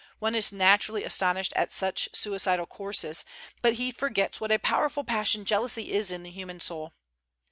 One is naturally astonished at such suicidal courses, but he forgets what a powerful passion jealousy is in the human soul.